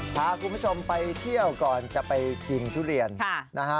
พาคุณผู้ชมไปเที่ยวก่อนจะไปกินทุเรียนนะฮะ